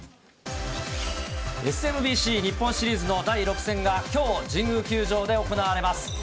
ＳＭＢＣ日本シリーズの第６戦が、きょう神宮球場で行われます。